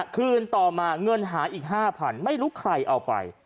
คืนต่อมาเงินหายอีก๕๐๐๐ไม่รู้ใครเอาไป